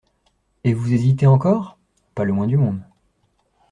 Et vous hésitez encore ? Pas le moins du monde.